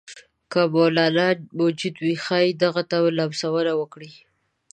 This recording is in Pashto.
که مولنا موجود وي ښايي دغه ته لمسونې وکړي.